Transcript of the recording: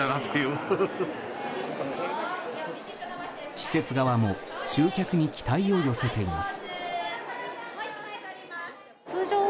施設側も集客に期待を寄せています。